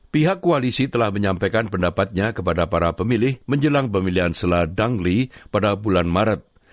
pihak koalisi telah menyampaikan pendapatnya kepada para pemilih menjelang pemilihan seladangli pada bulan maret